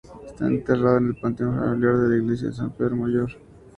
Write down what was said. Está enterrado en el panteón familiar en la Iglesia de San Pedro Mayor.